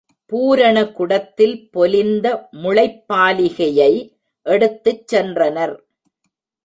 பூரண குடத்தில் பொலிந்த முளைப்பாலிகையை எடுத்துச் சென்றனர்.